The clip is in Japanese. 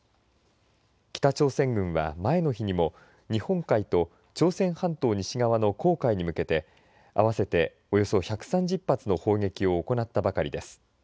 北朝鮮軍は前の日にも日本海と朝鮮半島西側の黄海に向けて合わせて、およそ１３０発の砲撃を行ったばかりです